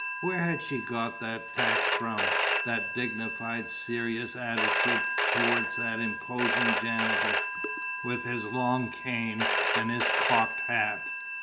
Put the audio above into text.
Where had she got that tact from, that dignified, serious attitude towards that imposing janitor, with his long cane and his cocked hat?